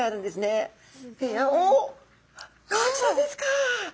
おっこちらですか！